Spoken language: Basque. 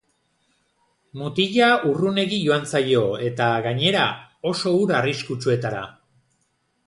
Mutila urrunegi joango zaio, eta, gainera, oso ur arriskutsuetara.